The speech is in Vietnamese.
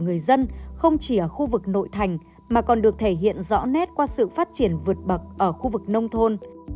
người dân không chỉ ở khu vực nội thành mà còn được thể hiện rõ nét qua sự phát triển vượt bậc ở khu vực nông thôn